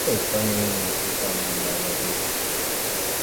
utafiti wa ugonjwa wa ukimwi ulifanyika nchini ivory coast